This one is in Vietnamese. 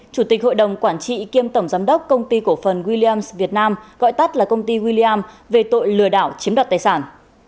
chủ tịch hội đồng quản trị kiêm tổng giám đốc công ty cổ phần williams việt nam gọi tắt là công ty william về tội lừa đảo chiếm đoạt tài sản